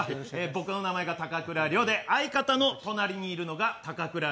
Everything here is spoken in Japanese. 僕の名前が高倉陵で相方の隣にいるのが高倉陵です